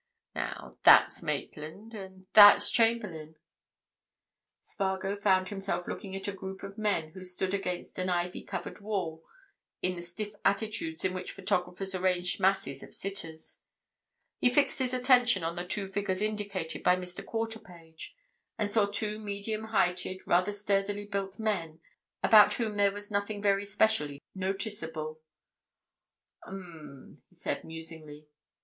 Now, that's Maitland. And that's Chamberlayne." Spargo found himself looking at a group of men who stood against an ivy covered wall in the stiff attitudes in which photographers arrange masses of sitters. He fixed his attention on the two figures indicated by Mr. Quarterpage, and saw two medium heighted, rather sturdily built men about whom there was nothing very specially noticeable. "Um!" he said, musingly.